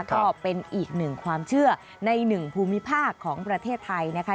ก็เป็นอีกหนึ่งความเชื่อในหนึ่งภูมิภาคของประเทศไทยนะคะ